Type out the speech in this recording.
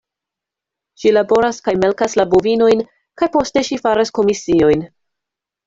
Ŝi laboras kaj melkas la bovinojn, kaj poste ŝi faras komisiojn.